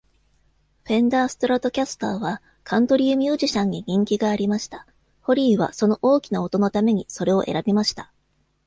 フェンダーストラトキャスターはカントリーミュージシャンに人気がありました。ホリーはその大きな音のためにそれを選びました。